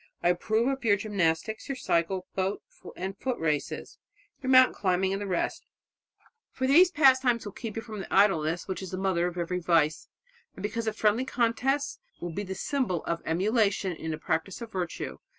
"I approve of your gymnastics, your cycle, boat, and foot races, your mountain climbing and the rest, for these pastimes will keep you from the idleness which is the mother of every vice; and because friendly contests will be for you the symbol of emulation in the practice of virtue